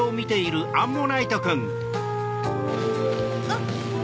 あっ。